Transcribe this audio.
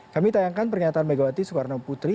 kami tayangkan pernyataan megawati soekarno putri